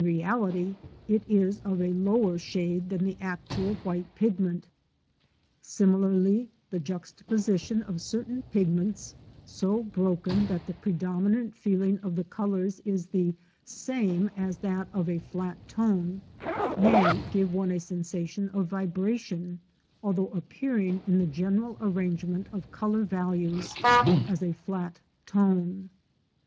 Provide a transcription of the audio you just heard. reality it is of a lower shade than the actual white pigment Similarly the juxtaposition of certain pigments, so broken that the predominant feeling of the colours is the same as that of a flat tone, may give one a sensation of vibration, although appearing in the general arrangement of colour values as a flat tone.